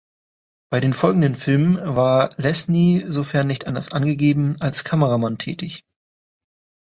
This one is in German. Bei den folgenden Filmen war Lesnie, sofern nicht anders angegeben, als Kameramann tätig.